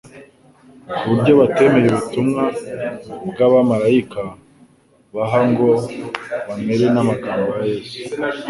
ku buryo batemeye ubutumwa bw'abamaraika haba ngo bemere n'amagambo ya Yesu.